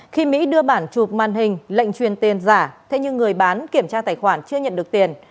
khi mỹ đưa bản chụp màn hình lệnh truyền tiền giả thế nhưng người bán kiểm tra tài khoản chưa nhận được tiền